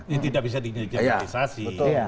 ini tidak bisa dijenderalisasi